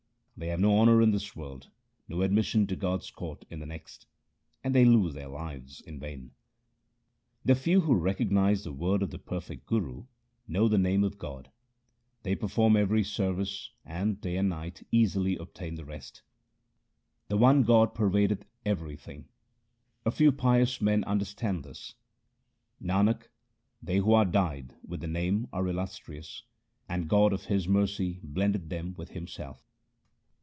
They have no honour in this world, no admission to God's court in the next, and they lose their lives in vain. The few who recognize the Word of the perfect Guru Know the name of God. They ever perform service, and day and night easily obtain rest. The one God pervadeth everything : A few pious men understand this. Nanak, they who are dyed with the Name are illustrious, and God of His mercy blendeth them with Himself.